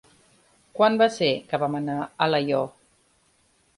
Quan va ser que vam anar a Alaior?